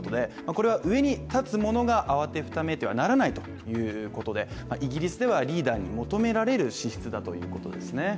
これは上に立つ者が慌てふためいてはならないということでイギリスではリーダーに求められる資質だということですね。